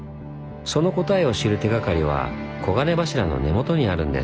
その答えを知る手がかりは黄金柱の根元にあるんです。